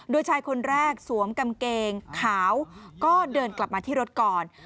โดยชายคนแรกสวมกางเกงขาวก็เดินกลับมาที่รถก่อน